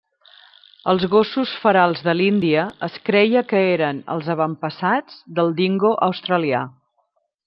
Els gossos ferals de l’Índia es creia que eren els avantpassats del Dingo australià.